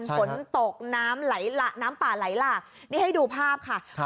ใช่ครับฝนตกน้ำไหลละน้ำป่าไหลลากนี่ให้ดูภาพค่ะครับ